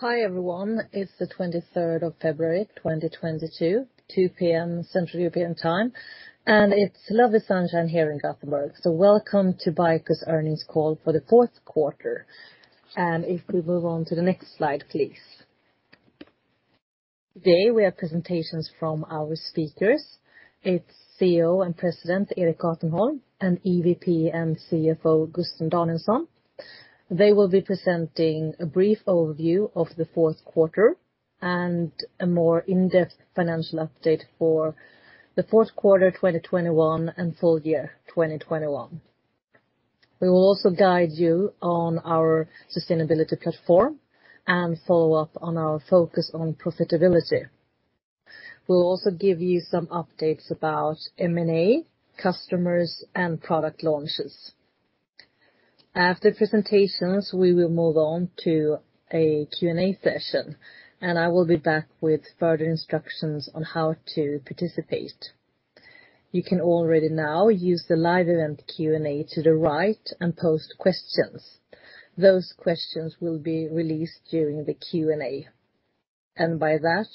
Hi, everyone. It's the 23 of February, 2022, 2:00 P.M., Central European Time, and it's lovely sunshine here in Gothenburg. Welcome to BICO earnings call for the fourth quarter. If we move on to the next slide, please. Today, we have presentations from our speakers. It's CEO and President, Erik Gatenholm, and EVP and CFO, Gusten Danielsson. They will be presenting a brief overview of the fourth quarter and a more in-depth financial update for the fourth quarter, 2021, and full year, 2021. We will also guide you on our sustainability platform and follow up on our focus on profitability. We'll also give you some updates about M&A, customers, and product launches. After presentations, we will move on to a Q&A session, and I will be back with further instructions on how to participate. You can already now use the live event Q&A to the right and post questions. Those questions will be released during the Q&A. By that,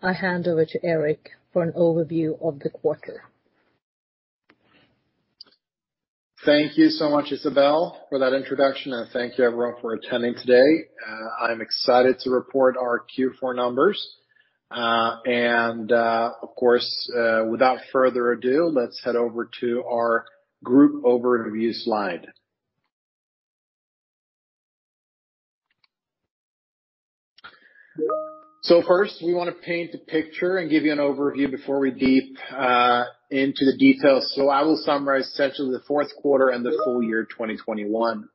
I hand over to Erik for an overview of the quarter. Thank you so much, Isabelle, for that introduction, and thank you everyone for attending today. I'm excited to report our Q4 numbers. Of course, without further ado, let's head over to our group overview slide. First, we want to paint a picture and give you an overview before we dive deep into the details. I will summarize essentially the fourth quarter and the full year 2021.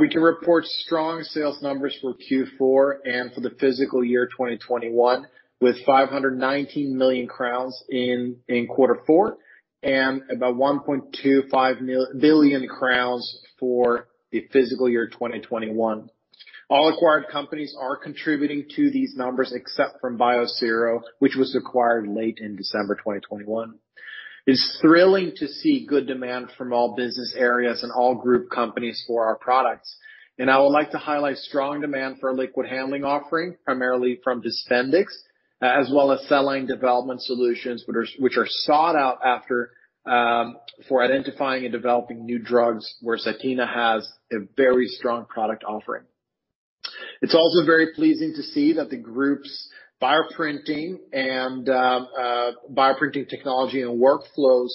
We can report strong sales numbers for Q4 and for the fiscal year 2021, with 519 million crowns in quarter four, and about 1.25 billion crowns for the fiscal year 2021. All acquired companies are contributing to these numbers, except from Biosero, which was acquired late in December 2021. It's thrilling to see good demand from all business areas and all group companies for our products. I would like to highlight strong demand for our liquid handling offering, primarily from DISPENDIX, as well as cell line development solutions which are sought after for identifying and developing new drugs where Cytena has a very strong product offering. It's also very pleasing to see that the group's bioprinting technology and workflows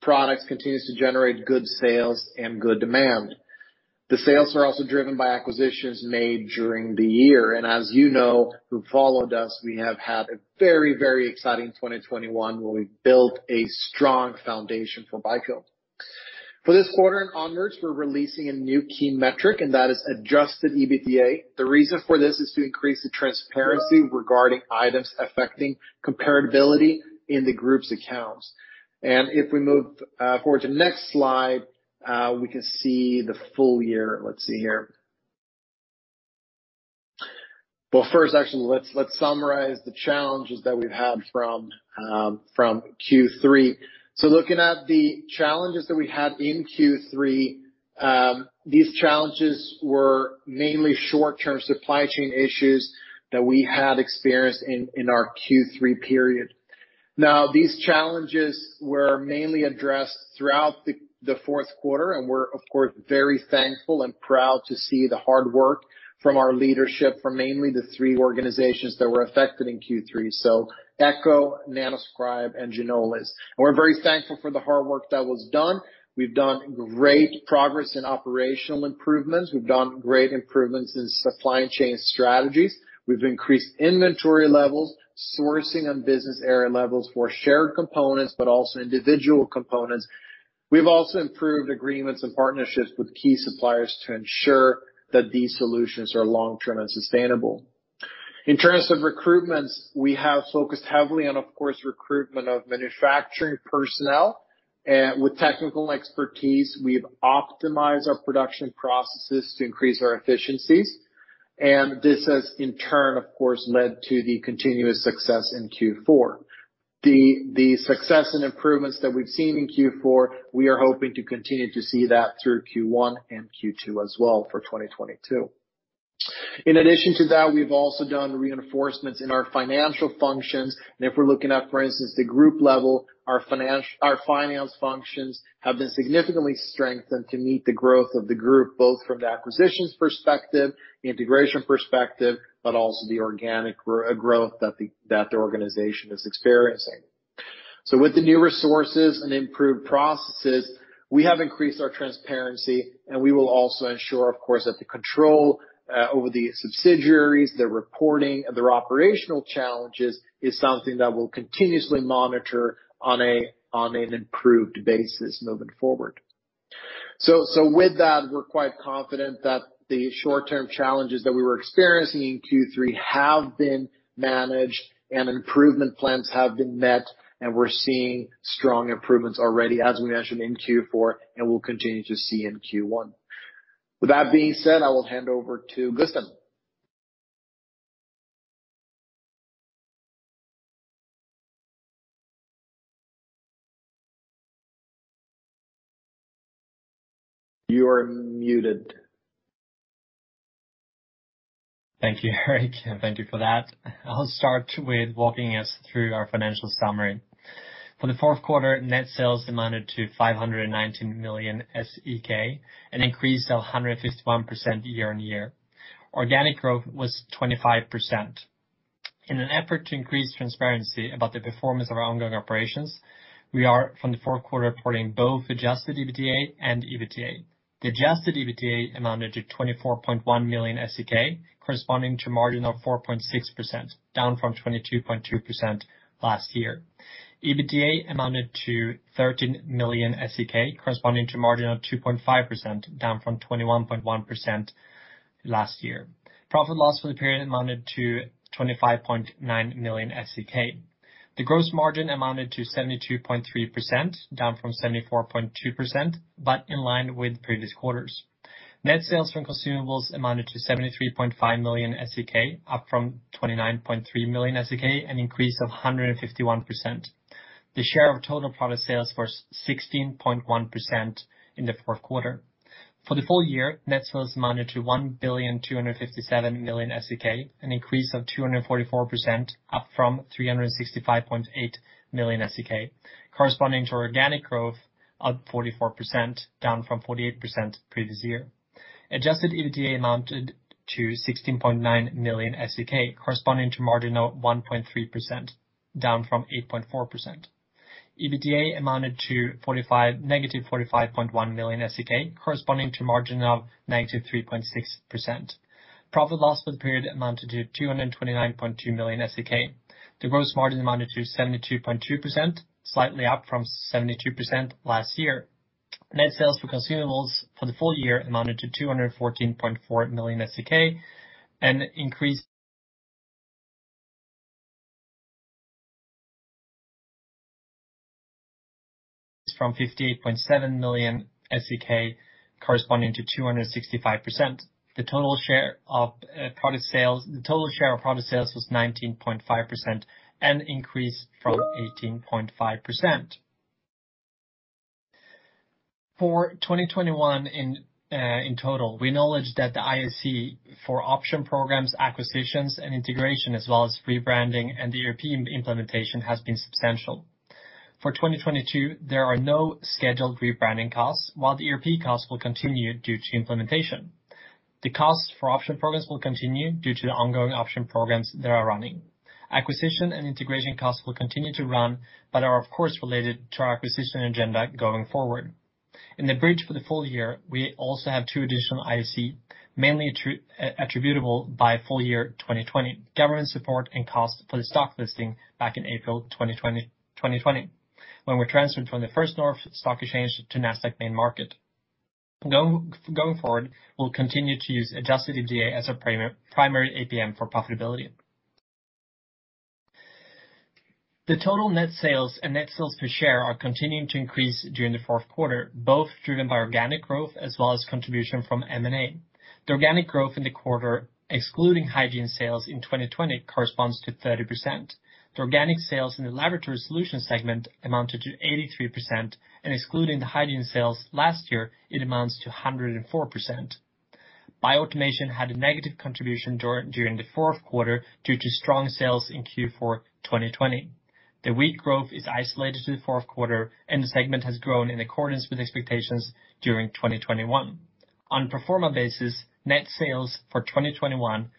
products continues to generate good sales and good demand. The sales are also driven by acquisitions made during the year. As you know, who followed us, we have had a very exciting 2021 where we've built a strong foundation for BICO. For this quarter and onwards, we're releasing a new key metric, and that is adjusted EBITDA. The reason for this is to increase the transparency regarding items affecting comparability in the group's accounts. If we move forward to next slide, we can see the full year. Let's see here. Well, first, actually, let's summarize the challenges that we've had from Q3. Looking at the challenges that we had in Q3, these challenges were mainly short-term supply chain issues that we had experienced in our Q3 period. Now, these challenges were mainly addressed throughout the fourth quarter, and we're of course very thankful and proud to see the hard work from our leadership from mainly the three organizations that were affected in Q3. Echo, Nanoscribe, and Ginolis. We're very thankful for the hard work that was done. We've done great progress in operational improvements. We've done great improvements in supply chain strategies. We've increased inventory levels, sourcing on business area levels for shared components, but also individual components. We've also improved agreements and partnerships with key suppliers to ensure that these solutions are long-term and sustainable. In terms of recruitments, we have focused heavily on, of course, recruitment of manufacturing personnel. With technical expertise, we've optimized our production processes to increase our efficiencies. This has in turn, of course, led to the continuous success in Q4. The success and improvements that we've seen in Q4, we are hoping to continue to see that through Q1 and Q2 as well for 2022. In addition to that, we've also done reinforcements in our financial functions. If we're looking at, for instance, the group level, our finance functions have been significantly strengthened to meet the growth of the group, both from the acquisitions perspective, the integration perspective, but also the organic growth that the organization is experiencing. With the new resources and improved processes, we have increased our transparency, and we will also ensure, of course, that the control over the subsidiaries, their reporting, and their operational challenges is something that we'll continuously monitor on an improved basis moving forward. With that, we're quite confident that the short-term challenges that we were experiencing in Q3 have been managed and improvement plans have been met, and we're seeing strong improvements already, as we mentioned in Q4, and we'll continue to see in Q1. With that being said, I will hand over to Gusten. You're muted. Thank you, Erik. Thank you for that. I'll start with walking us through our financial summary. For the fourth quarter, net sales amounted to 590 million SEK, an increase of 151% year-on-year. Organic growth was 25%. In an effort to increase transparency about the performance of our ongoing operations, we are from the fourth quarter reporting both adjusted EBITDA and EBITDA. The adjusted EBITDA amounted to 24.1 million SEK, corresponding to a margin of 4.6%, down from 22.2% last year. EBITDA amounted to 13 million SEK, corresponding to a margin of 2.5%, down from 21.1% last year. Profit/loss for the period amounted to -25.9 million. The gross margin amounted to 72.3%, down from 74.2%, but in line with previous quarters. Net sales from consumables amounted to 73.5 million SEK, up from 29.3 million SEK, an increase of 151%. The share of total product sales was 16.1% in the fourth quarter. For the full year, net sales amounted to 1,257 million SEK, an increase of 244% up from 365.8 million SEK, corresponding to organic growth of 44%, down from 48% previous year. Adjusted EBITDA amounted to 16.9 million SEK, corresponding to a margin of 1.3%, down from 8.4%. EBITDA amounted to -45.1 million SEK, corresponding to a margin of -3.6%. Profit loss for the period amounted to 229.2 million SEK. The gross margin amounted to 72.2%, slightly up from 72% last year. Net sales for consumables for the full year amounted to 214.4 million SEK, an increase from 58.7 million SEK, corresponding to 265%. The total share of product sales was 19.5% and increased from 18.5%. For 2021 in total, we acknowledge that the IAC for option programs, acquisitions, and integration, as well as rebranding and the European implementation has been substantial. For 2022, there are no scheduled rebranding costs, while the ERP costs will continue due to implementation. The cost for option programs will continue due to the ongoing option programs that are running. Acquisition and integration costs will continue to run, but are of course related to our acquisition agenda going forward. In the bridge for the full year, we also have two additional IAC, mainly attributable to full year 2020 government support and cost for the stock listing back in April 2020, when we transferred from the First North stock exchange to Nasdaq Main Market. Going forward, we'll continue to use adjusted EBITDA as a primary APM for profitability. The total net sales and net sales per share are continuing to increase during the fourth quarter, both driven by organic growth as well as contribution from M&A. The organic growth in the quarter, excluding hygiene sales in 2020, corresponds to 30%. The organic sales in the Laboratory Solutions segment amounted to 83%, and excluding the hygiene sales last year, it amounts to 104%. Bioautomation had a negative contribution during the fourth quarter due to strong sales in Q4 2020. The weak growth is isolated to the fourth quarter, and the segment has grown in accordance with expectations during 2021. On pro forma basis, net sales for 2021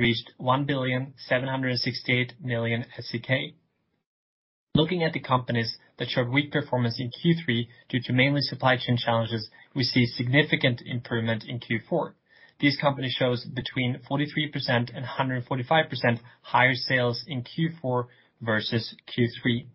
reached 1,768 million SEK. Looking at the companies that showed weak performance in Q3 due to mainly supply chain challenges, we see significant improvement in Q4. These companies shows between 43% and 145% higher sales in Q4 versus Q3.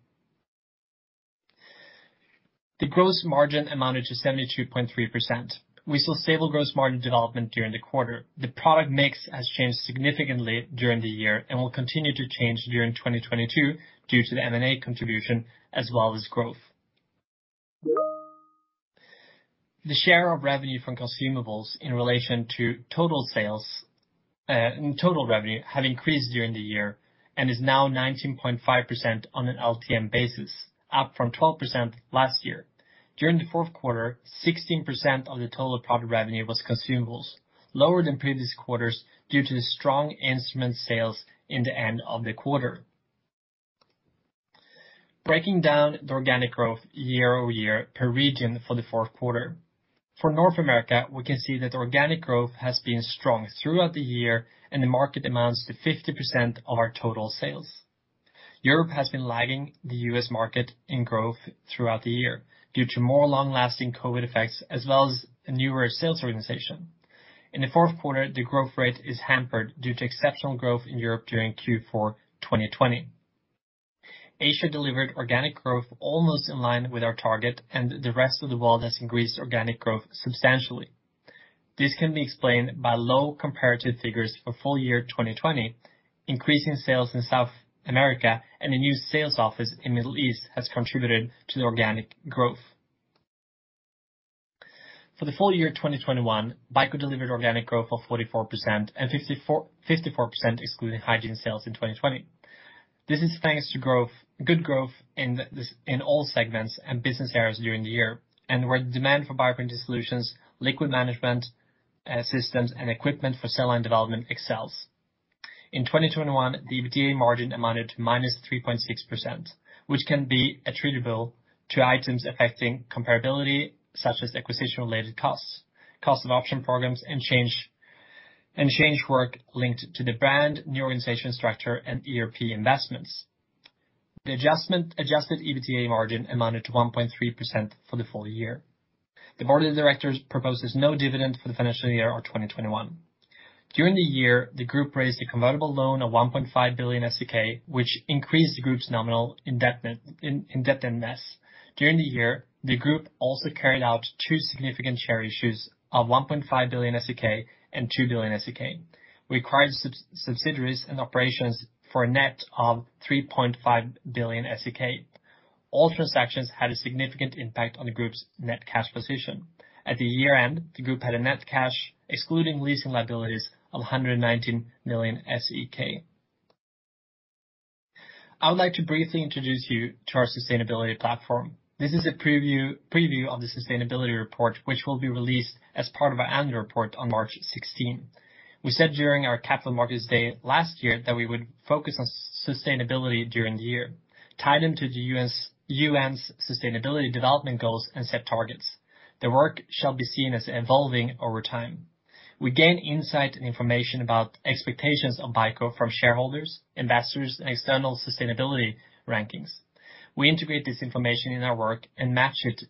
The gross margin amounted to 72.3%. We saw stable gross margin development during the quarter. The product mix has changed significantly during the year and will continue to change during 2022 due to the M&A contribution as well as growth. The share of revenue from consumables in relation to total sales, total revenue have increased during the year and is now 19.5% on an LTM basis, up from 12% last year. During the fourth quarter, 16% of the total product revenue was consumables, lower than previous quarters due to the strong instrument sales in the end of the quarter. Breaking down the organic growth year-over-year per region for the fourth quarter. For North America, we can see that organic growth has been strong throughout the year and the market amounts to 50% of our total sales. Europe has been lagging the U.S. market in growth throughout the year due to more long-lasting COVID effects as well as a newer sales organization. In the fourth quarter, the growth rate is hampered due to exceptional growth in Europe during Q4 2020. Asia delivered organic growth almost in line with our target, and the rest of the world has increased organic growth substantially. This can be explained by low comparative figures for full year 2020, increasing sales in South America, and a new sales office in Middle East has contributed to the organic growth. For the full year 2021, BICO delivered organic growth of 44% and 54% excluding hygiene sales in 2020. This is thanks to growth in all segments and business areas during the year, and where demand for bioprinting solutions, liquid handling systems and equipment for cell line development excels. In 2021, the EBITDA margin amounted to -3.6%, which can be attributable to items affecting comparability, such as acquisition-related costs, cost of option programs, and change work linked to the brand new organization structure and ERP investments. The adjusted EBITDA margin amounted to 1.3% for the full year. The board of directors proposes no dividend for the financial year of 2021. During the year, the group raised a convertible loan of 1.5 billion SEK, which increased the group's nominal indebtedness. During the year, the group also carried out two significant share issues of 1.5 billion SEK and 2 billion SEK to acquire subsidiaries and operations for a net of 3.5 billion SEK. All transactions had a significant impact on the group's net cash position. At the year-end, the group had a net cash, excluding leasing liabilities, of 119 million SEK. I would like to briefly introduce you to our sustainability platform. This is a preview of the sustainability report, which will be released as part of our annual report on March 16. We said during our capital markets day last year that we would focus on sustainability during the year, tied into the UN's Sustainable Development Goals and set targets. The work shall be seen as evolving over time. We gain insight and information about expectations of BICO from shareholders, investors and external sustainability rankings. We integrate this information in our work and match it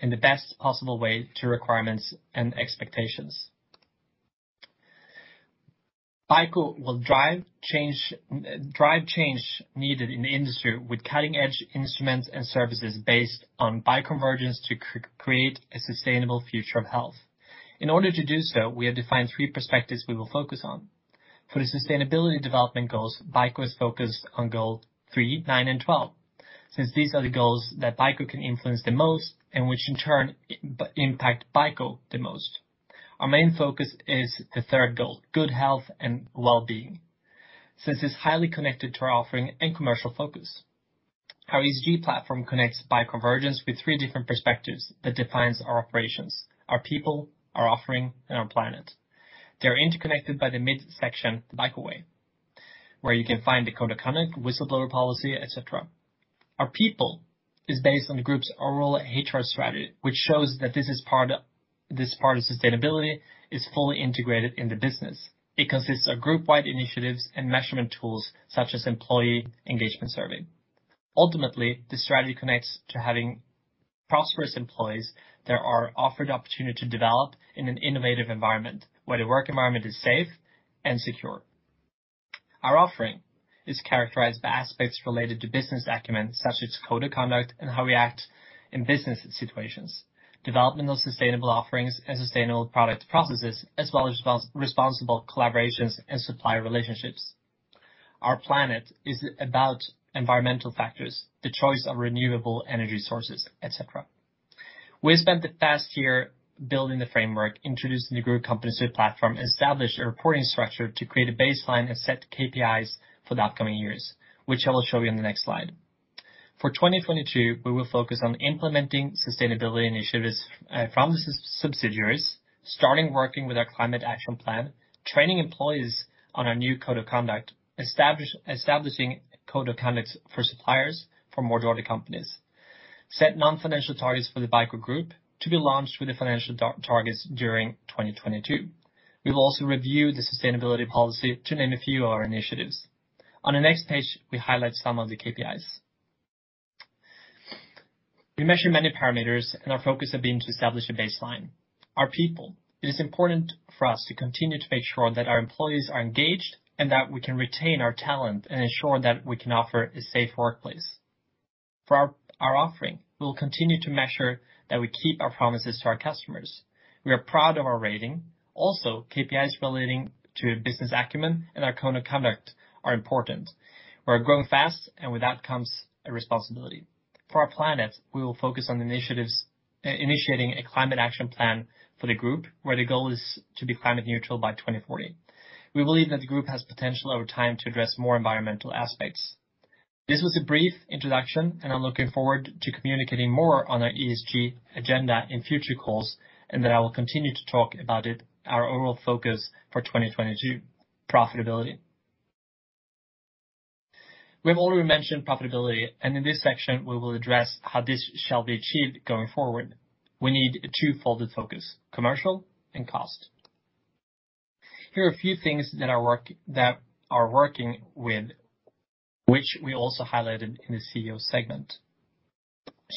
in the best possible way to requirements and expecations. BICO will drive change needed in the industry with cutting-edge instruments and services based on bioconvergence to create a sustainable future of health. In order to do so, we have defined three perspectives we will focus on. For the Sustainable Development Goals, BICO is focused on Goal three, nine, and 12, since these are the goals that BICO can influence the most and which in turn impact BICO the most. Our main focus is the third goal, good health and well-being. Since it's highly connected to our offering and commercial focus. Our ESG platform connects bioconvergence with three different perspectives that defines our operations, our people, our offering, and our planet. They're interconnected by the midsection, the BICO way, where you can find the code of conduct, whistleblower policy, et cetera. Our people is based on the group's overall HR strategy, which shows that this part of sustainability is fully integrated in the business. It consists of group wide initiatives and measurement tools such as employee engagement survey. Ultimately, the strategy connects to having prosperous employees that are offered the opportunity to develop in an innovative environment where the work environment is safe and secure. Our offering is characterized by aspects related to business acumen, such as code of conduct and how we act in business situations, developmental sustainable offerings and sustainable product processes, as well as responsible collaborations and supplier relationships. Our planet is about environmental factors, the choice of renewable energy sources, et cetera. We spent the past year building the framework, introducing the group companies to the platform, established a reporting structure to create a baseline and set KPIs for the upcoming years, which I will show you in the next slide. For 2022, we will focus on implementing sustainability initiatives from the subsidiaries, starting working with our climate action plan, training employees on our new code of conduct, establishing code of conduct for suppliers for majority companies. Set non-financial targets for the BICO Group to be launched with the financial targets during 2022. We will also review the sustainability policy to name a few of our initiatives. On the next page, we highlight some of the KPIs. We measure many parameters, and our focus have been to establish a baseline. Our people. It is important for us to continue to make sure that our employees are engaged, and that we can retain our talent, and ensure that we can offer a safe workplace. For our offering, we will continue to measure that we keep our promises to our customers. We are proud of our rating. Also, KPIs relating to business acumen and our code of conduct are important. We're growing fast, and with that comes a responsibility. For our planet, we will focus on initiatives, initiating a climate action plan for the group, where the goal is to be climate neutral by 2040. We believe that the group has potential over time to address more environmental aspects. This was a brief introduction, and I'm looking forward to communicating more on our ESG agenda in future calls, and that I will continue to talk about it, our overall focus for 2022, profitability. We have already mentioned profitability, and in this section, we will address how this shall be achieved going forward. We need a two-fold focus, commercial and cost. Here are a few things that are working with, which we also highlighted in the CEO segment.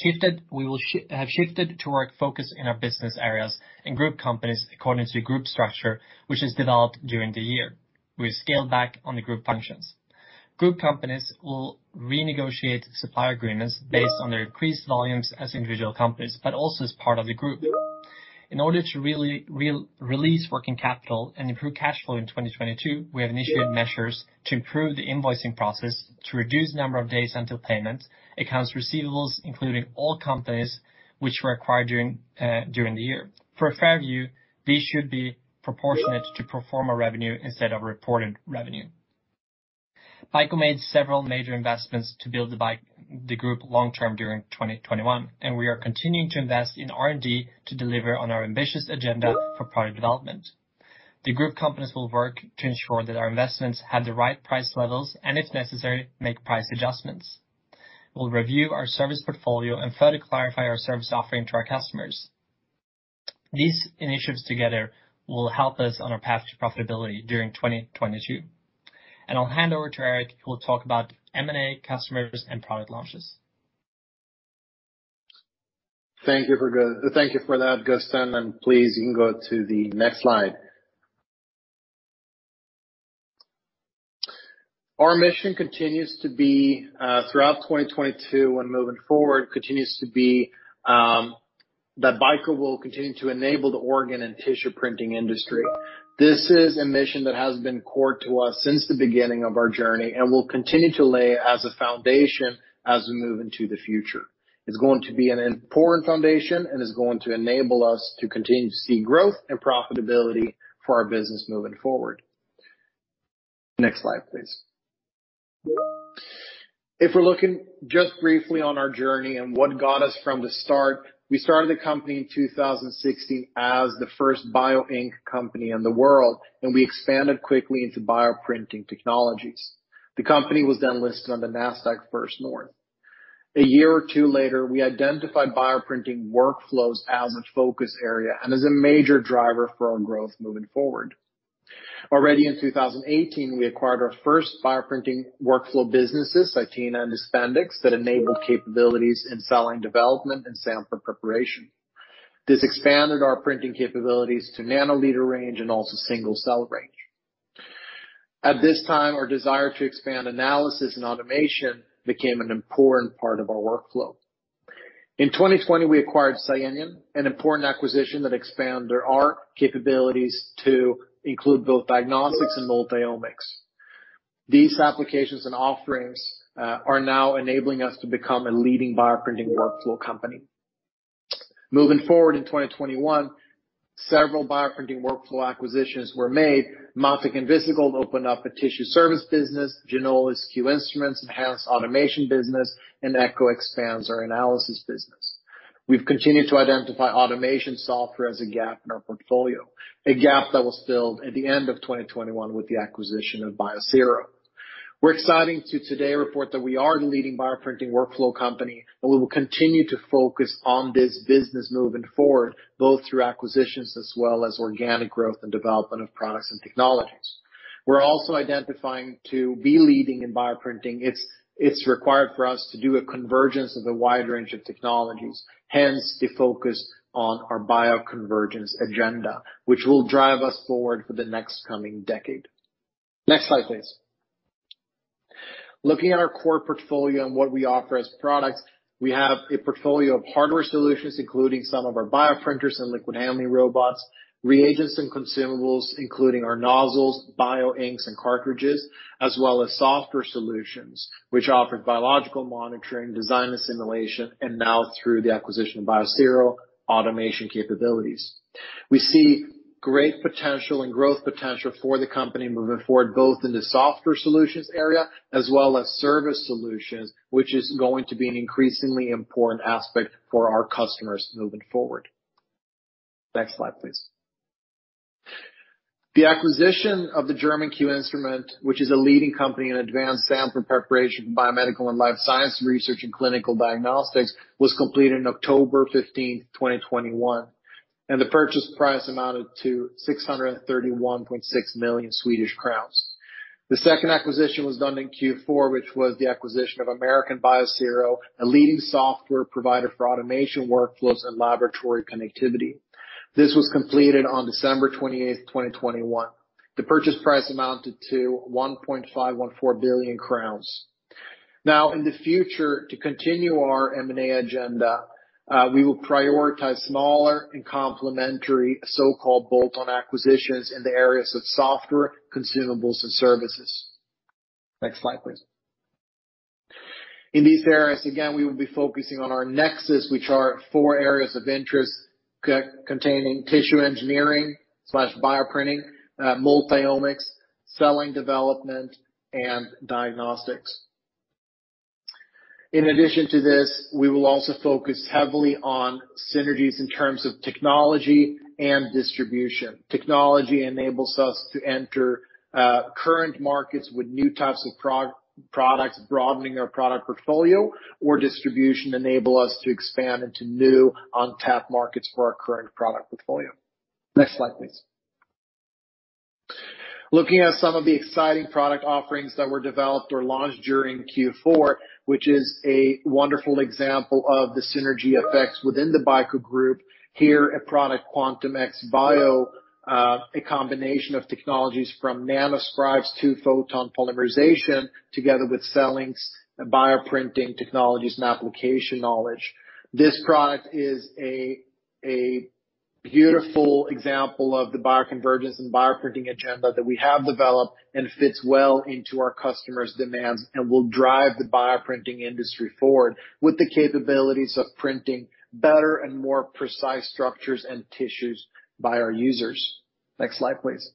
We have shifted to our focus in our business areas and group companies according to group structure, which is developed during the year. We've scaled back on the group functions. Group companies will renegotiate supplier agreements based on their increased volumes as individual companies, but also as part of the group. In order to release working capital and improve cash flow in 2022, we have initiated measures to improve the invoicing process to reduce number of days until payment, accounts receivables, including all companies which were acquired during the year. For a fair view, these should be proportionate to pro forma revenue instead of reported revenue. BICO made several major investments to build the group long term during 2021, and we are continuing to invest in R&D to deliver on our ambitious agenda for product development. The group companies will work to ensure that our investments have the right price levels and if necessary, make price adjustments. We'll review our service portfolio and further clarify our service offering to our customers. These initiatives together will help us on our path to profitability during 2022. I'll hand over to Erik, who will talk about M&A customers and product launches. Thank you for that, Gusten. Please, you can go to the next slide. Our mission continues to be throughout 2022 when moving forward, continues to be that BICO will continue to enable the organ and tissue printing industry. This is a mission that has been core to us since the beginning of our journey, and will continue to lay as a foundation as we move into the future. It's going to be an important foundation and is going to enable us to continue to see growth and profitability for our business moving forward. Next slide, please. If we're looking just briefly on our journey and what got us from the start, we started the company in 2016 as the first bioink company in the world, and we expanded quickly into bioprinting technologies. The company was then listed on the Nasdaq First North. A year or two later, we identified bioprinting workflows as a focus area and as a major driver for our growth moving forward. Already in 2018, we acquired our first bioprinting workflow businesses, Cytena and DISPENDIX, that enabled capabilities in cell line development and sample preparation. This expanded our printing capabilities to nanoliter range and also single cell range. At this time, our desire to expand analysis and automation became an important part of our workflow. In 2020, we acquired Scienion, an important acquisition that expanded our capabilities to include both diagnostics and multi-omics. These applications and offerings are now enabling us to become a leading bioprinting workflow company. Moving forward in 2021, several bioprinting workflow acquisitions were made. MatTek and Visikol opened up a tissue service business. Ginolis Q Instruments enhanced automation business, and Echo expands our analysis business. We've continued to identify automation software as a gap in our portfolio, a gap that was filled at the end of 2021 with the acquisition of Biosero. We're excited to report today that we are the leading bioprinting workflow company, and we will continue to focus on this business moving forward, both through acquisitions as well as organic growth and development of products and technologies. We're also identifying to be leading in bioprinting. It's required for us to do a convergence of a wide range of technologies, hence the focus on our bioconvergence agenda, which will drive us forward for the next coming decade. Next slide, please. Looking at our core portfolio and what we offer as products, we have a portfolio of hardware solutions, including some of our bioprinters and liquid handling robots, reagents and consumables, including our nozzles, bioinks, and cartridges, as well as software solutions, which offer biological monitoring, design and simulation, and now through the acquisition of Biosero, automation capabilities. We see great potential and growth potential for the company moving forward, both in the software solutions area as well as service solutions, which is going to be an increasingly important aspect for our customers moving forward. Next slide, please. The acquisition of the German Q Instruments, which is a leading company in advanced sample preparation for biomedical and life science research and clinical diagnostics, was completed on October 15, 2021, and the purchase price amounted to 631.6 million Swedish crowns. The second acquisition was done in Q4, which was the acquisition of Biosero, a leading software provider for automation workflows and laboratory connectivity. This was completed on December 28, 2021. The purchase price amounted to 1.514 billion crowns. Now in the future, to continue our M&A agenda, we will prioritize smaller and complementary so-called bolt-on acquisitions in the areas of software, consumables, and services. Next slide, please. In these areas, again, we will be focusing on our nexus, which are four areas of interest core containing tissue engineering/bioprinting, multi-omics, cell line development, and diagnostics. In addition to this, we will also focus heavily on synergies in terms of technology and distribution. Technology enables us to enter current markets with new types of products, broadening our product portfolio or distribution enable us to expand into new untapped markets for our current product portfolio. Next slide, please. Looking at some of the exciting product offerings that were developed or launched during Q4, which is a wonderful example of the synergy effects within the BICO Group, here a product Quantum X bio, a combination of technologies from Nanoscribe's Two-Photon Polymerization together with CELLINK's bioprinting technologies and application knowledge. This product is a beautiful example of the bioconvergence and bioprinting agenda that we have developed and fits well into our customers' demands and will drive the bioprinting industry forward with the capabilities of printing better and more precise structures and tissues by our users. Next slide, please.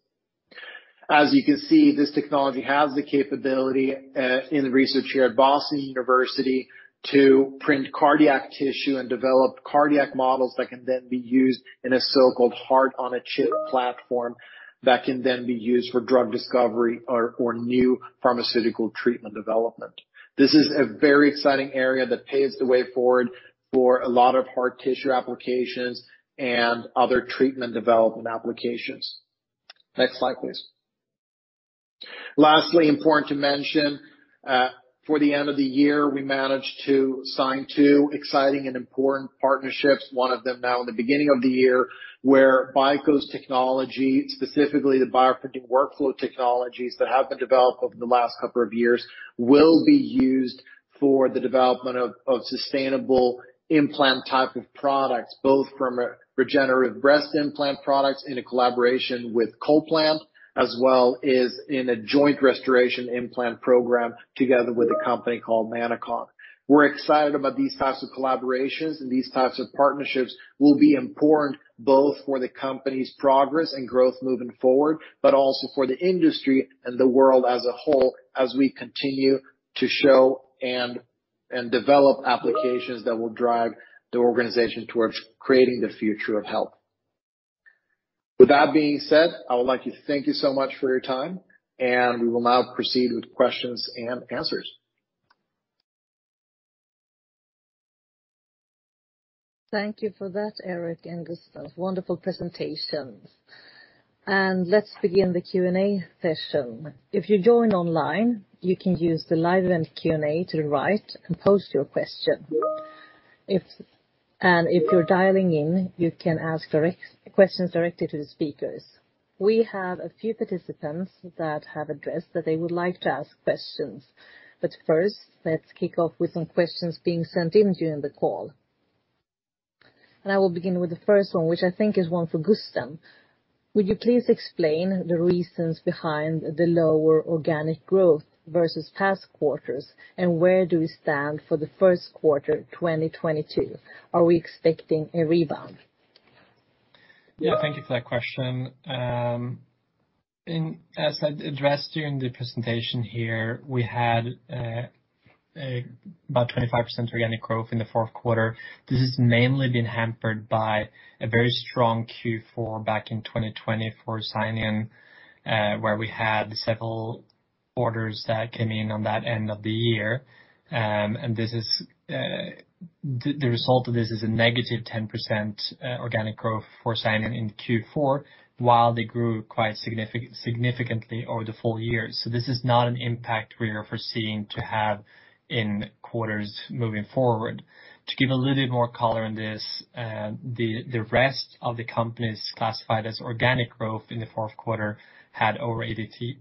As you can see, this technology has the capability in the research here at Boston University to print cardiac tissue and develop cardiac models that can then be used in a so-called heart-on-a-chip platform that can then be used for drug discovery or new pharmaceutical treatment development. This is a very exciting area that paves the way forward for a lot of heart tissue applications and other treatment development applications. Next slide, please. Lastly, important to mention for the end of the year, we managed to sign two exciting and important partnerships. One of them now in the beginning of the year, where BICO's technology, specifically the bioprinting workflow technologies that have been developed over the last couple of years, will be used for the development of sustainable implant type of products, both from a regenerative breast implant products in a collaboration with CollPlant, as well as in a joint replacement implant program together with a company called Nanochon. We're excited about these types of collaborations, and these types of partnerships will be important both for the company's progress and growth moving forward, but also for the industry and the world as a whole, as we continue to show and develop applications that will drive the organization towards creating the future of health. With that being said, I would like to thank you so much for your time, and we will now proceed with questions-and-answers. Thank you for that, Erik and Gusten. Wonderful presentations. Let's begin the Q&A session. If you join online, you can use the live event Q&A to the right and post your question. If you're dialing in, you can ask questions directly to the speakers. We have a few participants that have addressed that they would like to ask questions. First, let's kick off with some questions being sent in during the call. I will begin with the first one, which I think is one for Gusten. Would you please explain the reasons behind the lower organic growth versus past quarters, and where do we stand for the first quarter, 2022? Are we expecting a rebound? Yeah. Thank you for that question. As I addressed during the presentation here, we had about 25% organic growth in the fourth quarter. This has mainly been hampered by a very strong Q4 back in 2020 for Scienion, where we had several orders that came in on that end of the year. The result of this is a -10% organic growth for Scienion in Q4, while they grew quite significantly over the full year. This is not an impact we are foreseeing to have in quarters moving forward. To give a little bit more color on this, the rest of the companies classified as organic growth in the fourth quarter had over 83%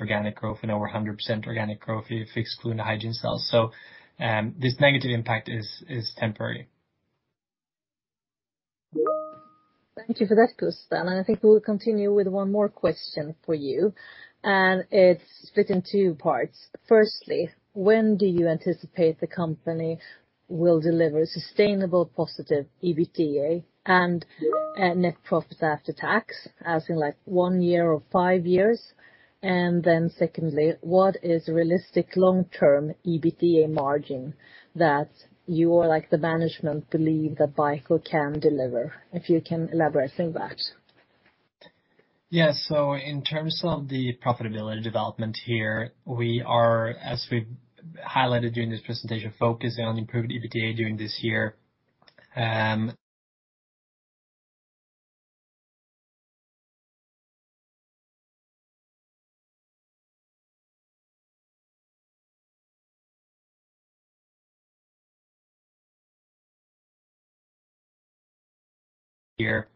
organic growth and over 100% organic growth if you exclude the hygiene sales. This negative impact is temporary. Thank you for that, Gusten. I think we will continue with one more question for you, and it's split in two parts. Firstly, when do you anticipate the company will deliver sustainable positive EBITDA and, net profit after tax, as in like one year or five years? Then secondly, what is realistic long-term EBITDA margin that you or like the management believe that BICO can deliver? If you can elaborate on that. Yeah. In terms of the profitability development here, we are, as we've highlighted during this presentation, focusing on improved EBITDA during this year. Here,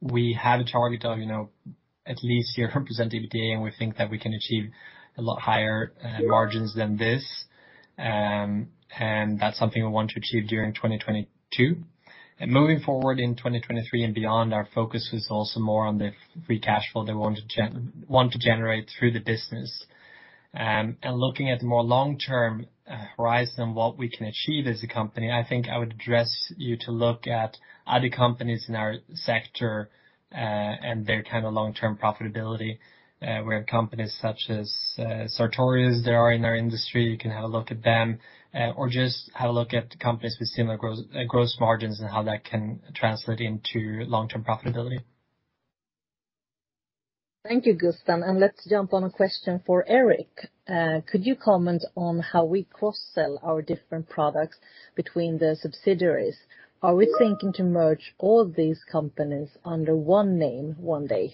we have a target of, you know, at least 0% EBITDA, and we think that we can achieve a lot higher margins than this. That's something we want to achieve during 2022. Moving forward in 2023 and beyond, our focus is also more on the free cash flow that we want to generate through the business. Looking at a more long-term horizon, what we can achieve as a company, I think I would advise you to look at other companies in our sector and their kind of long-term profitability, where companies such as Sartorius, they are in our industry, you can have a look at them, or just have a look at companies with similar gross margins and how that can translate into long-term profitability. Thank you, Gusten. Let's jump on a question for Erik. Could you comment on how we cross-sell our different products between the subsidiaries? Are we thinking to merge all these companies under one name one day?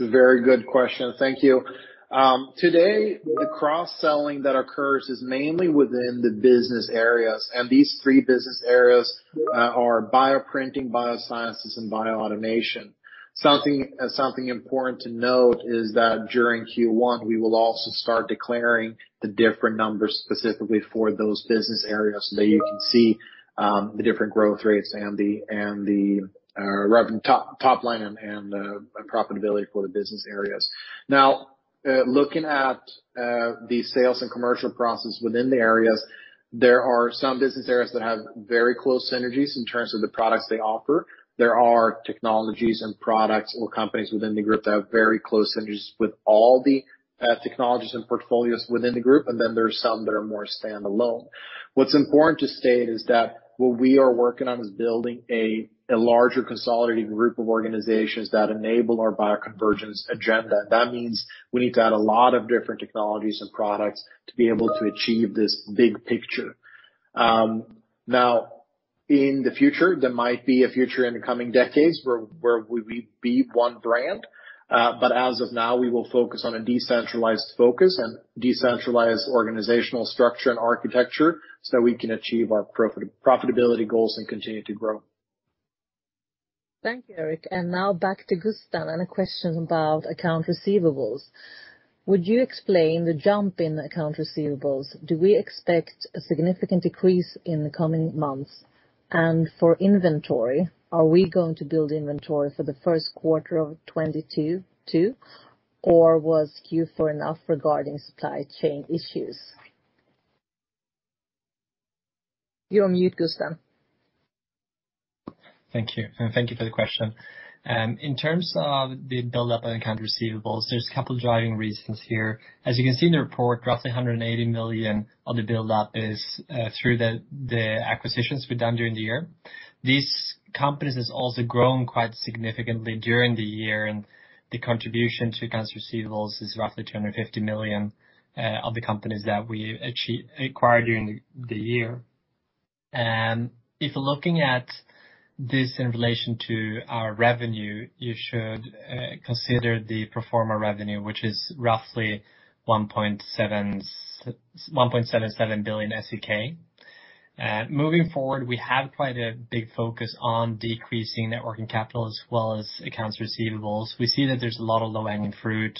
It's a very good question. Thank you. Today, the cross-selling that occurs is mainly within the business areas, and these three business areas are Bioprinting, Biosciences, and Bioautomation. Something important to note is that during Q1, we will also start declaring the different numbers specifically for those business areas so that you can see the different growth rates and the revenue top line and profitability for the business areas. Now, looking at the sales and commercial process within the areas, there are some business areas that have very close synergies in terms of the products they offer. There are technologies and products or companies within the group that have very close synergies with all the technologies and portfolios within the group, and then there's some that are more standalone. What's important to state is that what we are working on is building a larger consolidated group of organizations that enable our bioconvergence agenda. That means we need to add a lot of different technologies and products to be able to achieve this big picture. Now in the future, there might be a future in the coming decades where we be one brand. As of now, we will focus on a decentralized focus and decentralized organizational structure and architecture, so we can achieve our profitability goals and continue to grow. Thank you, Erik. Now back to Gusten and a question about accounts receivable. Would you explain the jump in accounts receivable? Do we expect a significant decrease in the coming months? For inventory, are we going to build inventory for the first quarter of 2022 too or was Q4 enough regarding supply chain issues? You're on mute, Gusten. Thank you, and thank you for the question. In terms of the buildup on accounts receivable, there's a couple driving reasons here. As you can see in the report, roughly 180 million of the buildup is through the acquisitions we've done during the year. These companies has also grown quite significantly during the year, and the contribution to accounts receivable is roughly 250 million of the companies that we acquired during the year. If looking at this in relation to our revenue, you should consider the pro forma revenue, which is roughly 1.77 billion SEK. Moving forward, we have quite a big focus on decreasing net working capital as well as accounts receivable. We see that there's a lot of low-hanging fruit.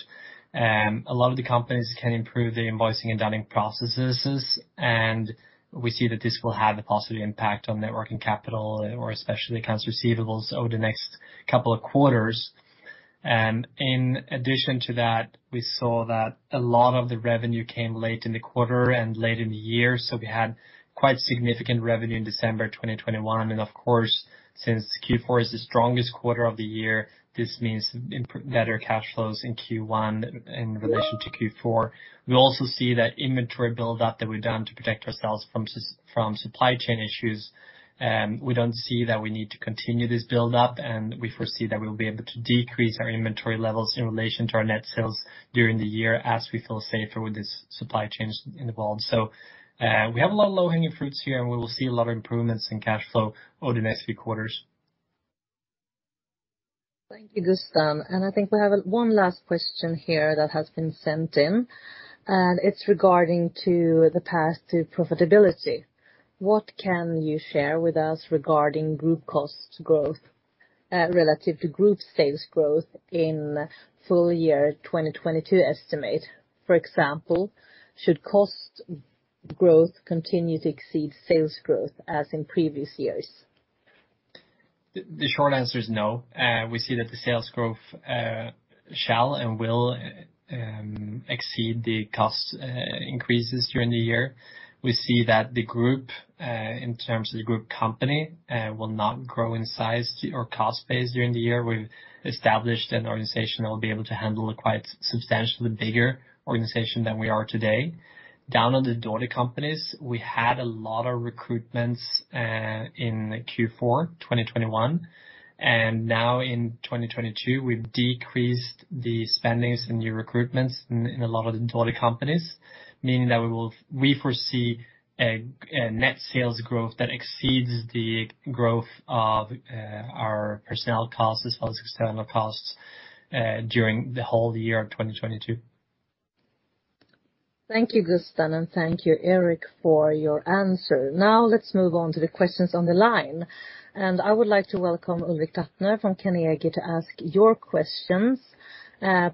A lot of the companies can improve the invoicing and dunning processes, and we see that this will have a positive impact on net working capital or especially accounts receivables over the next couple of quarters. In addition to that, we saw that a lot of the revenue came late in the quarter and late in the year, so we had quite significant revenue in December 2021. Of course, since Q4 is the strongest quarter of the year, this means better cash flows in Q1 in relation to Q4. We also see that inventory buildup that we've done to protect ourselves from supply chain issues. We don't see that we need to continue this buildup, and we foresee that we'll be able to decrease our inventory levels in relation to our net sales during the year as we feel safer with these supply chains involved. We have a lot of low-hanging fruit here, and we will see a lot of improvements in cash flow over the next few quarters. Thank you, Gusten. I think we have one last question here that has been sent in, and it's regarding the path to profitability. What can you share with us regarding group cost growth relative to group sales growth in full year 2022 estimate? For example, should cost growth continue to exceed sales growth as in previous years? The short answer is no. We see that the sales growth shall and will exceed the cost increases during the year. We see that the group, in terms of the group company, will not grow in size or cost base during the year. We've established an organization that will be able to handle a quite substantially bigger organization than we are today. Down on the daughter companies, we had a lot of recruitments in Q4 2021, and now in 2022, we've decreased the spending and new recruitments in a lot of the daughter companies, meaning that we foresee a net sales growth that exceeds the growth of our personnel costs as well as external costs during the whole year of 2022. Thank you, Gusten and thank you Erik, for your answer. Now let's move on to the questions on the line. I would like to welcome Ulrik Trattner from Carnegie to ask your questions.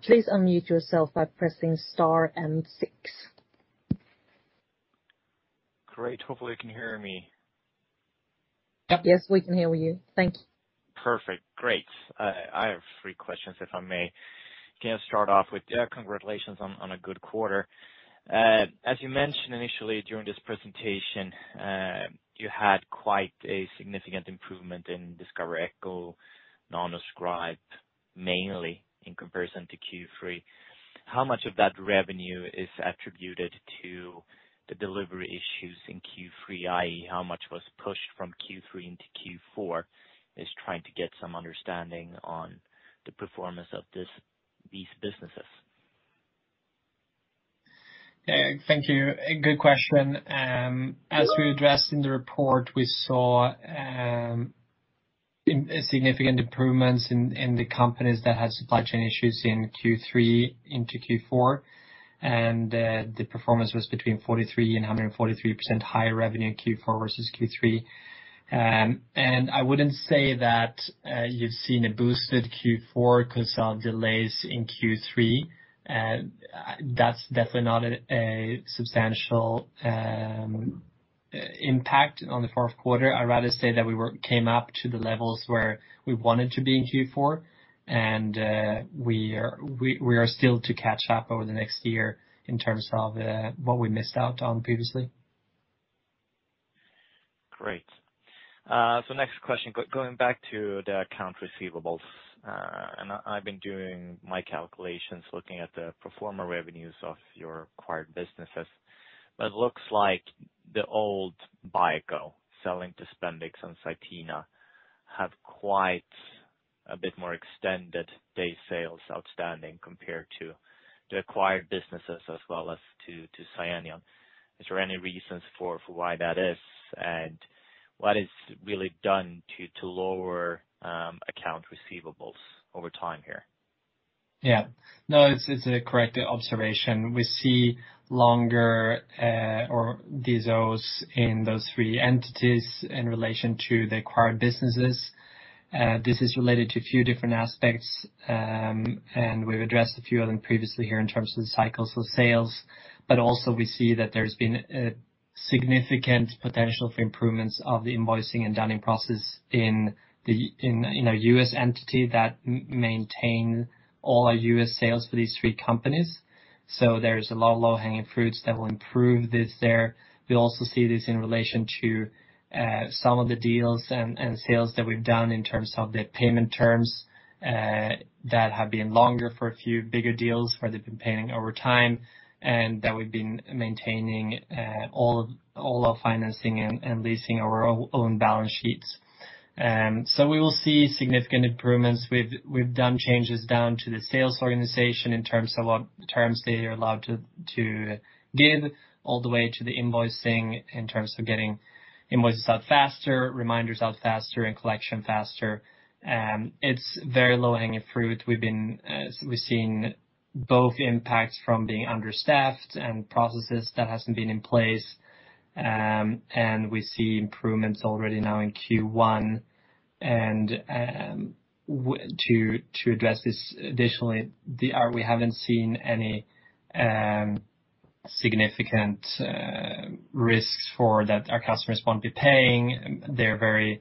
Please unmute yourself by pressing star and six. Great. Hopefully you can hear me. Yes, we can hear you. Thank you. Perfect. Great. I have three questions, if I may. Can I start off with congratulations on a good quarter. As you mentioned initially during this presentation, you had quite a significant improvement in Discover Echo, Nanoscribe, mainly in comparison to Q3. How much of that revenue is attributed to the delivery issues in Q3, i.e., how much was pushed from Q3 into Q4? Just trying to get some understanding on the performance of these businesses. Yeah. Thank you. A good question. As we addressed in the report, we saw significant improvements in the companies that had supply chain issues in Q3 into Q4. The performance was between 43% and 143% higher revenue in Q4 versus Q3. I wouldn't say that you've seen a boosted Q4 'cause of delays in Q3. That's definitely not a substantial impact on the fourth quarter. I'd rather say that we came up to the levels where we wanted to be in Q4, and we are still to catch up over the next year in terms of what we missed out on previously. Great. Next question. Going back to the accounts receivable, and I've been doing my calculations looking at the pro forma revenues of your acquired businesses. It looks like the old BICO selling to DISPENDIX and Cytena have quite a bit more extended days sales outstanding compared to the acquired businesses as well as to Cellenion. Is there any reasons for why that is, and what is really done to lower accounts receivable over time here? Yeah. No, it's a correct observation. We see longer DSOs in those three entities in relation to the acquired businesses. This is related to a few different aspects, and we've addressed a few of them previously here in terms of the cycles of sales. Also we see that there's been a significant potential for improvements of the invoicing and dunning process in our U.S. entity that maintain all our U.S. sales for these three companies. There's a lot of low-hanging fruits that will improve this there. We also see this in relation to some of the deals and sales that we've done in terms of the payment terms that have been longer for a few bigger deals where they've been paying over time, and that we've been maintaining all our financing and leasing our own balance sheets. We will see significant improvements. We've done changes down to the sales organization in terms of what terms they are allowed to give, all the way to the invoicing in terms of getting invoices out faster, reminders out faster, and collection faster. It's very low-hanging fruit. We've seen both impacts from being understaffed and processes that haven't been in place. We see improvements already now in Q1. To address this additionally, we haven't seen any significant risks that our customers won't be paying. They have very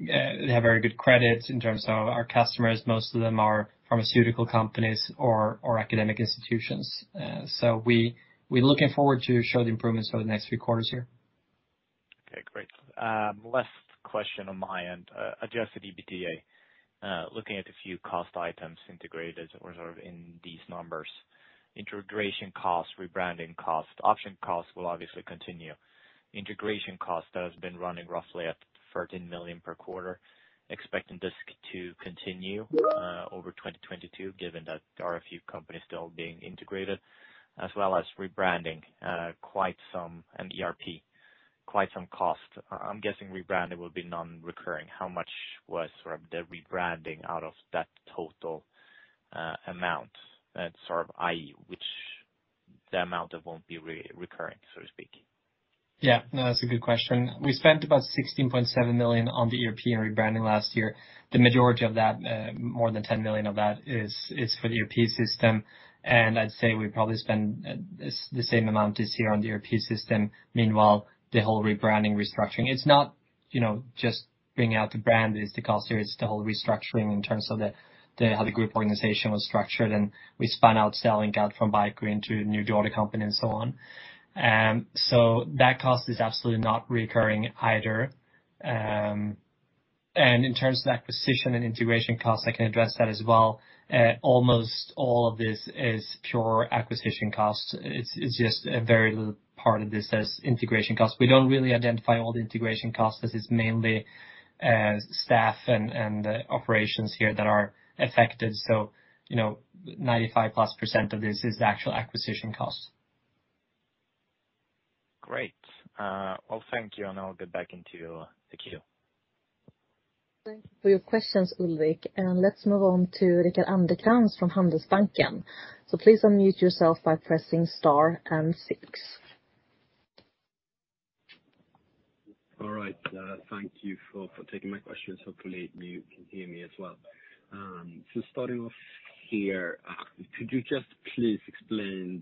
good credit in terms of our customers. Most of them are pharmaceutical companies or academic institutions. We're looking forward to show the improvements over the next few quarters here. Okay, great. Last question on my end. Adjusted EBITDA. Looking at a few cost items integrated or sort of in these numbers. Integration costs, rebranding costs, option costs will obviously continue. Integration cost has been running roughly at 13 million per quarter. Expecting this to continue over 2022, given that there are a few companies still being integrated. As well as rebranding, quite some and ERP, quite some cost. I'm guessing rebranding will be non-recurring. How much was sort of the rebranding out of that total amount? That's sort of i.e. which the amount that won't be recurring, so to speak. Yeah. No, that's a good question. We spent about 16.7 million on the ERP and rebranding last year. The majority of that, more than 10 million of that is for the ERP system. I'd say we probably spend the same amount this year on the ERP system. Meanwhile, the whole rebranding restructuring. It's not, you know, just bringing out the brand is the cost here, it's the whole restructuring in terms of the how the group organization was structured and we spun out selling out from BICO into new daughter company and so on. That cost is absolutely not recurring either. In terms of acquisition and integration costs, I can address that as well. Almost all of this is pure acquisition costs. It's just a very little part of this as integration costs. We don't really identify all the integration costs as it's mainly staff and operations here that are affected. You know, 95+% of this is the actual acquisition cost. Great. Well, thank you, and I'll get back into the queue. Thank you for your questions, Ulrik. Let's move on to Rickard Anderkrans from Handelsbanken. Please unmute yourself by pressing star and six. All right. Thank you for taking my questions. Hopefully you can hear me as well. So starting off here, could you just please explain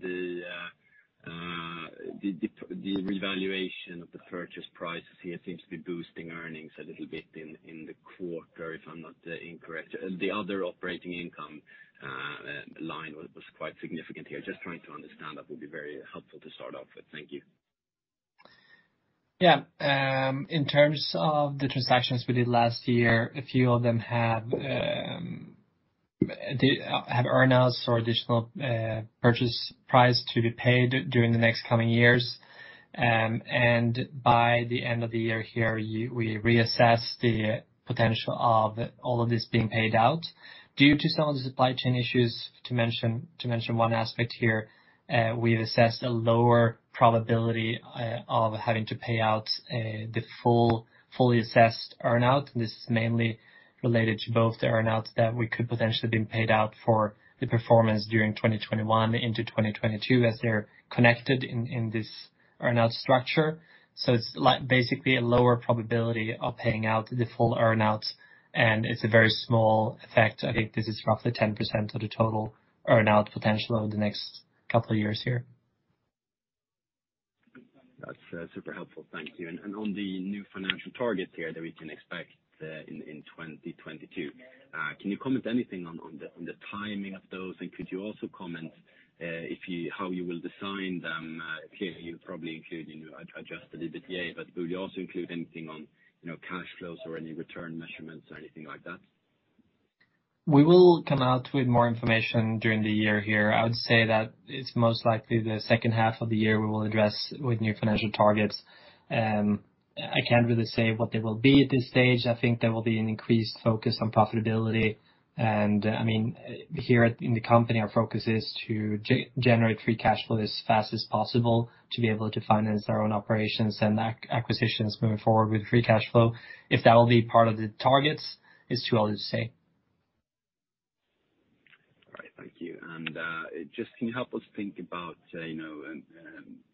the revaluation of the purchase prices here seems to be boosting earnings a little bit in the quarter, if I'm not incorrect? The other operating income line was quite significant here. Just trying to understand that would be very helpful to start off with. Thank you. Yeah. In terms of the transactions we did last year, a few of them had, they had earn-outs or additional purchase price to be paid during the next coming years. By the end of the year here, we reassess the potential of all of this being paid out. Due to some of the supply chain issues, to mention one aspect here, we've assessed a lower probability of having to pay out the fully assessed earn-out. This is mainly related to both the earn-outs that we could potentially been paid out for the performance during 2021 into 2022 as they're connected in this earn-out structure. It's basically a lower probability of paying out the full earn-out, and it's a very small effect. I think this is roughly 10% of the total earn-out potential over the next couple of years here. That's super helpful. Thank you. On the new financial target here that we can expect in 2022, can you comment anything on the timing of those? Could you also comment how you will design them? Clearly you'll probably include, you know, adjusted EBITDA, but will you also include anything on, you know, cash flows or any return measurements or anything like that? We will come out with more information during the year here. I would say that it's most likely the second half of the year we will address with new financial targets. I can't really say what they will be at this stage. I think there will be an increased focus on profitability. I mean, here in the company, our focus is to generate free cash flow as fast as possible to be able to finance our own operations and acquisitions moving forward with free cash flow. If that'll be part of the targets is too early to say. All right. Thank you. Just can you help us think about, you know,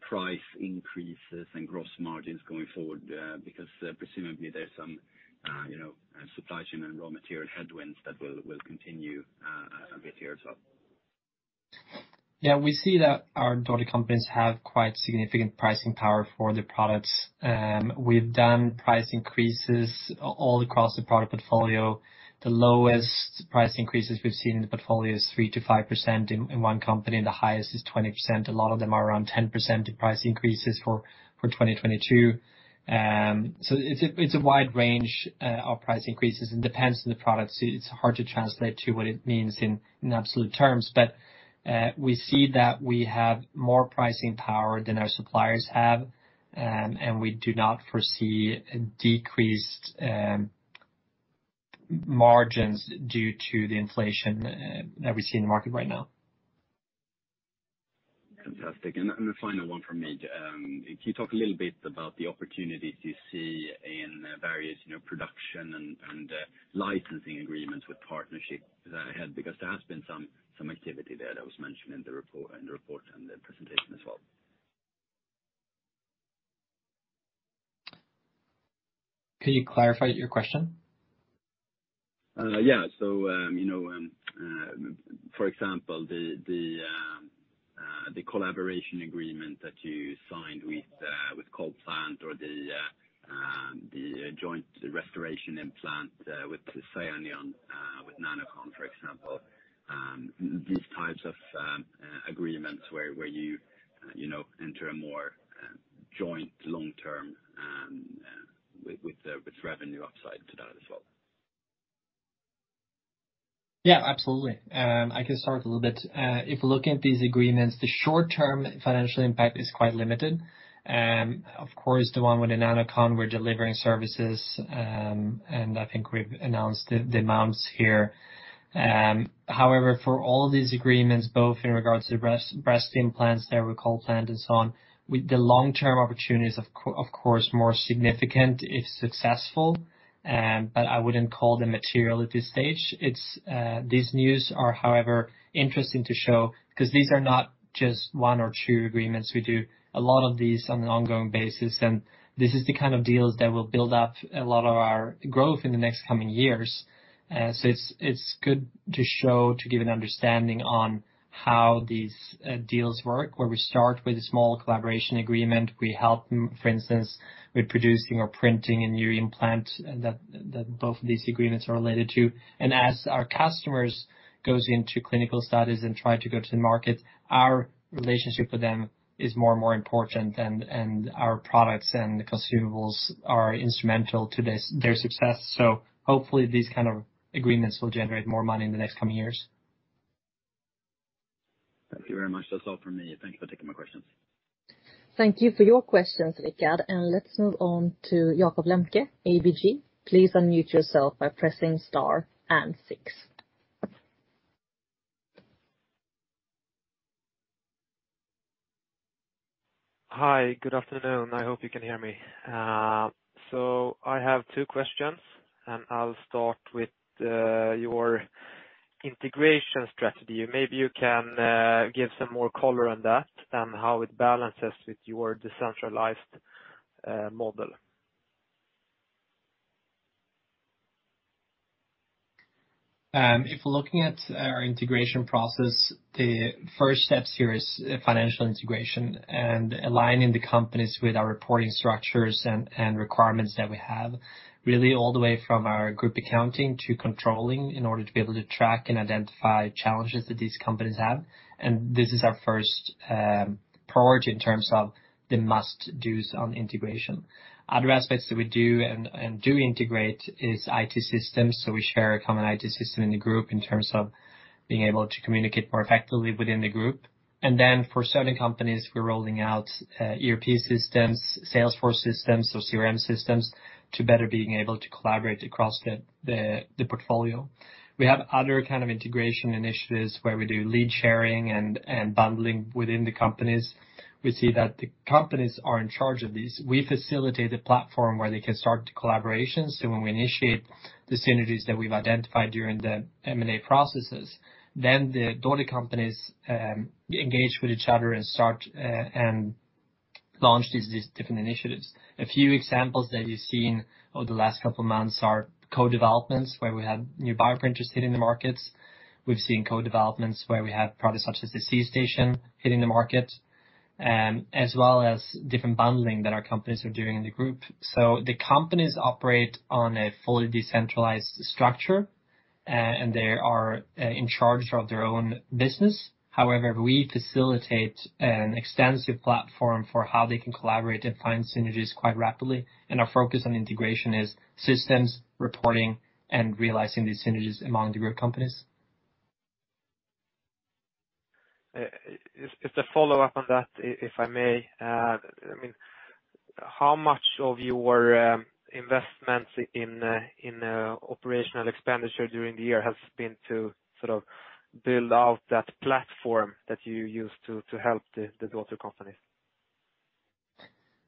price increases and gross margins going forward, because presumably there's some, you know, supply chain and raw material headwinds that will continue a bit here as well? Yeah, we see that our daughter companies have quite significant pricing power for their products. We've done price increases all across the product portfolio. The lowest price increases we've seen in the portfolio is 3%-5% in one company, and the highest is 20%. A lot of them are around 10% in price increases for 2022. It's a wide range of price increases. It depends on the product, so it's hard to translate to what it means in absolute terms. We see that we have more pricing power than our suppliers have, and we do not foresee decreased margins due to the inflation that we see in the market right now. Fantastic. A final one from me. Can you talk a little bit about the opportunities you see in various, you know, production and licensing agreements with partnerships that are ahead? Because there has been some activity there that was mentioned in the report and the presentation as well. Can you clarify your question? Yeah. You know, for example, the collaboration agreement that you signed with CollPlant or the joint restoration implant with Scienion with Matricon, for example, these types of agreements where you enter a more joint long-term with the revenue upside to that as well. Yeah, absolutely. I can start a little bit. If we look at these agreements, the short-term financial impact is quite limited. Of course, the one with Matricon, we're delivering services, and I think we've announced the amounts here. However, for all of these agreements, both in regards to breast implants there with CollPlant and so on, with the long-term opportunities of course, more significant if successful, but I wouldn't call them material at this stage. These news are, however, interesting to show because these are not just one or two agreements. We do a lot of these on an ongoing basis, and this is the kind of deals that will build up a lot of our growth in the next coming years. It's good to show, to give an understanding on how these deals work, where we start with a small collaboration agreement. We help them, for instance, with producing or printing a new implant that both of these agreements are related to. As our customers goes into clinical studies and try to go to the market, our relationship with them is more and more important and our products and the consumables are instrumental to this, their success. Hopefully these kind of agreements will generate more money in the next coming years. Thank you very much. That's all from me. Thank you for taking my questions. Thank you for your questions, Rickard. Let's move on to Jakob Lembke, ABG. Please unmute yourself by pressing star and six. Hi. Good afternoon. I hope you can hear me. I have two questions, and I'll start with your integration strategy. Maybe you can give some more color on that and how it balances with your decentralized model? If we're looking at our integration process, the first steps here is financial integration and aligning the companies with our reporting structures and requirements that we have, really all the way from our group accounting to controlling in order to be able to track and identify challenges that these companies have. This is our first priority in terms of the must-dos on integration. Other aspects that we do and do integrate is IT systems. We share a common IT system in the group in terms of being able to communicate more effectively within the group. Then for certain companies, we're rolling out ERP systems, Salesforce systems, so CRM systems, to better being able to collaborate across the portfolio. We have other kind of integration initiatives where we do lead sharing and bundling within the companies. We see that the companies are in charge of these. We facilitate a platform where they can start collaborations. When we initiate the synergies that we've identified during the M&A processes, then the daughter companies engage with each other and start and launch these different initiatives. A few examples that you've seen over the last couple of months are co-developments where we have new bioprinters hitting the markets. We've seen co-developments where we have products such as the C.STATION hitting the market, as well as different bundling that our companies are doing in the group. The companies operate on a fully decentralized structure, and they are in charge of their own business. However, we facilitate an extensive platform for how they can collaborate and find synergies quite rapidly. Our focus on integration is systems, reporting, and realizing these synergies among the group companies. As a follow-up on that, if I may, I mean, how much of your investments in operational expenditure during the year has been to sort of build out that platform that you use to help the daughter companies?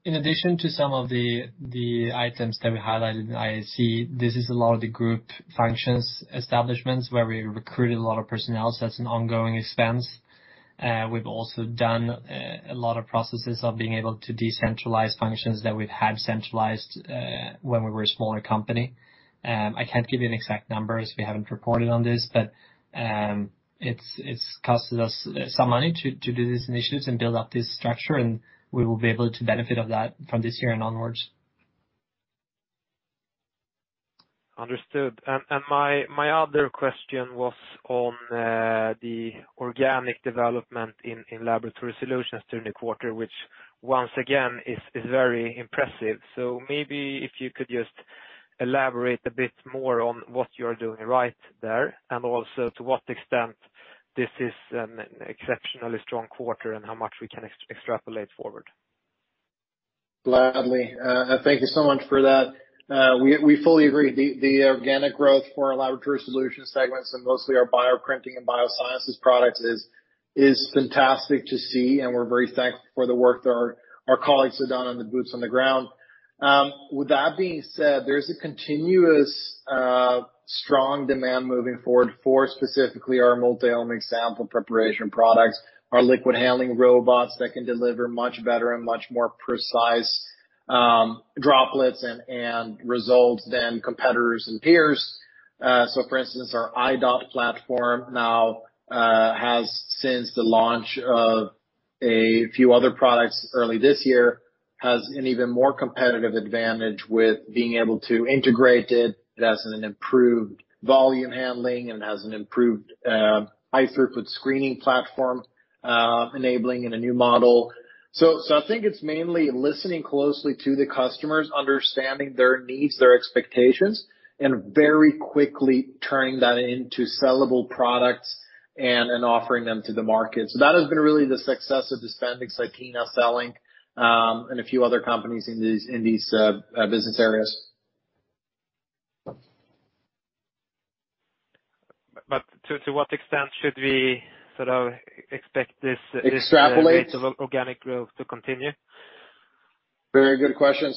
In addition to some of the items that we highlighted in IAC, this is a lot of the group functions establishments where we recruited a lot of personnel, so that's an ongoing expense. We've also done a lot of processes of being able to decentralize functions that we've had centralized when we were a smaller company. I can't give you an exact number. We haven't reported on this, but it's cost us some money to do these initiatives and build up this structure, and we will be able to benefit from that from this year and onwards. Understood. My other question was on the organic development in Laboratory Solutions during the quarter, which once again is very impressive. Maybe if you could just elaborate a bit more on what you're doing right there, and also to what extent this is an exceptionally strong quarter and how much we can extrapolate forward. Gladly. Thank you so much for that. We fully agree. The organic growth for our laboratory solution segments and mostly our Bioprinting and Biosciences products is fantastic to see, and we're very thankful for the work that our colleagues have done on the boots on the ground. With that being said, there's a continuous strong demand moving forward for specifically our multi-omics sample preparation products, our liquid handling robots that can deliver much better and much more precise droplets and results than competitors and peers. So for instance, our I.DOT platform now has an even more competitive advantage since the launch of a few other products early this year with being able to integrate it. It has an improved volume handling, and it has an improved high-throughput screening platform enabling in a new model. I think it's mainly listening closely to the customers, understanding their needs, their expectations, and very quickly turning that into sellable products and offering them to the market. That has been really the success of Dispendix, like CELLINK, and a few other companies in these business areas. To what extent should we sort of expect this? Extrapolate? this rate of organic growth to continue? Very good question.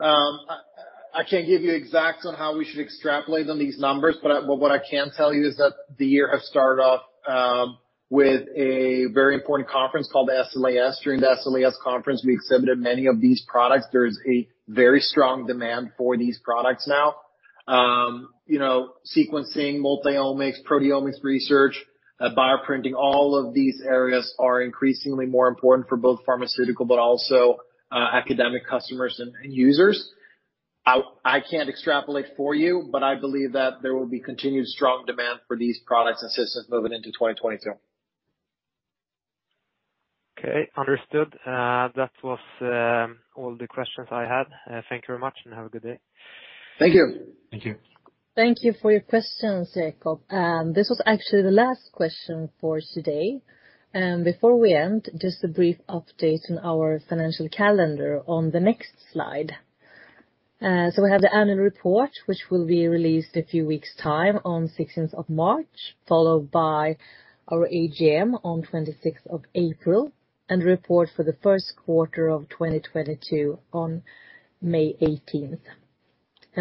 I can't give you exacts on how we should extrapolate on these numbers, but what I can tell you is that the year has started off with a very important conference called SLAS. During the SLAS conference, we exhibited many of these products. There is a very strong demand for these products now. You know, sequencing, multi-omics, proteomics research, bioprinting, all of these areas are increasingly more important for both pharmaceutical but also academic customers and users. I can't extrapolate for you, but I believe that there will be continued strong demand for these products and systems moving into 2022. Okay. Understood. That was all the questions I had. Thank you very much, and have a good day. Thank you. Thank you. Thank you for your questions, Jakob. This was actually the last question for today. Before we end, just a brief update on our financial calendar on the next slide. We have the annual report, which will be released in a few weeks' time on 16th of March, followed by our AGM on 26th of April, and report for the first quarter of 2022 on May 18.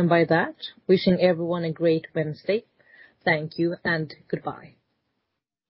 By that, wishing everyone a great Wednesday. Thank you and goodbye.